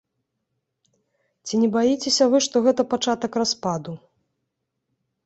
Ці не баіцеся вы, што гэта пачатак распаду?